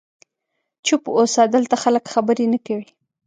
چوپ اوسه، دلته خلک خبرې نه کوي.